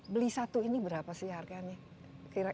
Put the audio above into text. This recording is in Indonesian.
beli satu ini berapa sih harganya